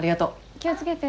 気を付けて。